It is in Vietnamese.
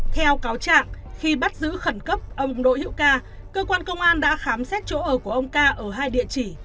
theo cáo trạng khi bắt giữ khẩn cấp ông đỗ hữu ca cơ quan công an đã khám xét chỗ ở của ông ca ở hai địa chỉ